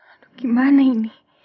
aduh gimana ini